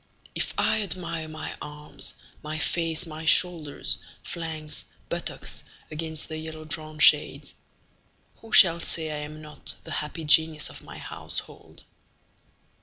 If I admire my arms, my face, my shoulders, flanks, buttocks against the yellow drawn shades, Who shall say I am not the happy genius of my household?